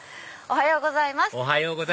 おはようございます